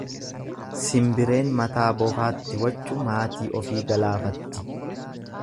Simbireen mataa bofaatti waccu, maatii ofii galaafatti.